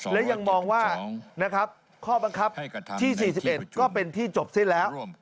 และยังมองว่านะครับข้อบังคับที่๔๑ก็เป็นที่จบสิ้นแล้ว